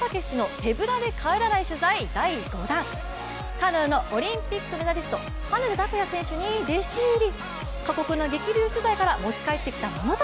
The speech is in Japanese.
カヌーのオリンピックメダリスト羽根田卓也選手に弟子入り。